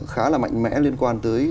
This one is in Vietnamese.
khá là mạnh mẽ liên quan tới